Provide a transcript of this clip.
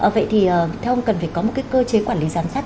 vậy thì theo ông cần phải có một cái cơ chế quản lý giám sát